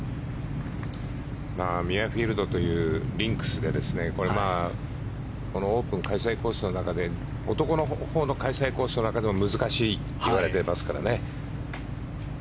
ミュアフィールドというリンクスでオープン開催コースの中で男のほうの開催コースの中でも難しいといわれてますからね。